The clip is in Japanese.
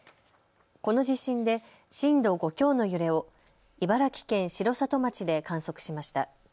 この地震で震度５強の揺れを茨城県城里町で観測しました。